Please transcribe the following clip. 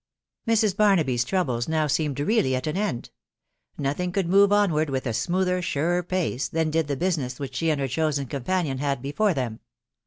Mrs*. Barnafty 's* troubles now seemed really at an end ; nothing could move onward1 with a smoother, surer pace, than did the business which she and her chosen companion: had before them.